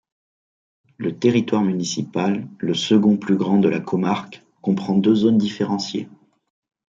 Le territoire municipal, le second plus grand de la comarque, comprend deux zones différenciées.